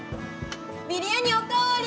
ビリヤニおかわり！